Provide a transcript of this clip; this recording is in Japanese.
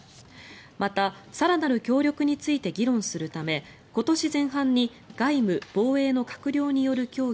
また、更なる協力について議論するため今年前半に外務・防衛の閣僚による協議